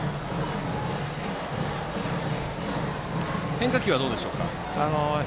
変化球はどうでしょうか。